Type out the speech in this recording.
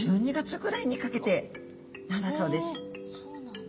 そうなんだ。